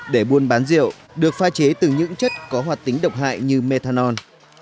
để buôn bán rượu được pha chế từ những chất có hoạt tính độc hại như methanol